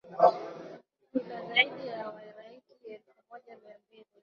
tunazaidi ya wairaki elfu moja mia mbili